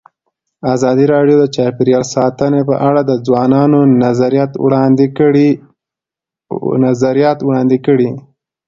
ازادي راډیو د چاپیریال ساتنه په اړه د ځوانانو نظریات وړاندې کړي.